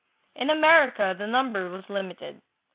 In America the number was limited.